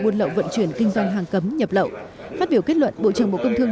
buôn lậu vận chuyển kinh doanh hàng cấm nhập lậu phát biểu kết luận bộ trưởng bộ công thương